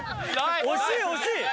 惜しい惜しい！